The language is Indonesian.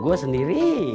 gue sendirian ini